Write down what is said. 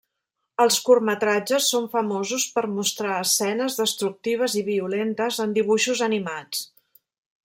Els curtmetratges són famosos per mostrar escenes destructives i violentes en dibuixos animats.